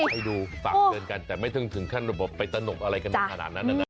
ให้ดูฝากเตือนกันแต่ไม่ต้องถึงขั้นระบบไปตนบอะไรกันขนาดนั้นนะ